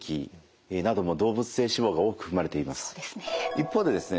一方でですね